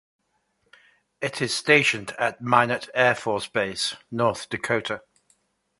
It is stationed at Minot Air Force Base, North Dakota.